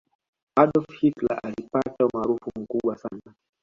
adolf hitler alipata umaarufu mkubwa sana